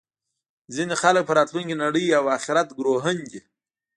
ځینې خلک په راتلونکې نړۍ او اخرت ګروهن دي